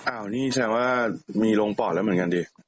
นี่แสดงว่ามีลงปอดแล้วเหมือนกันดิ